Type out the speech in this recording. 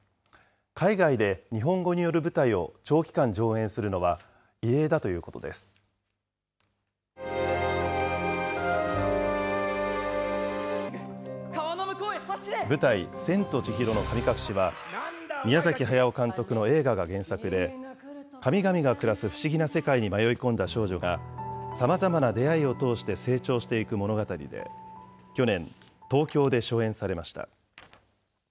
海外で日本語による舞台を長期間上演するのは異例だということで舞台、千と千尋の神隠しは、宮崎駿監督の映画が原作で、神々が暮らす不思議な世界に迷い込んだ少女が、さまざまな出会いを通して成長していく物語で、去年、東京で初演されました。